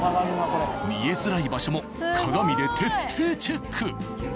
見えづらい場所も鏡で徹底チェック。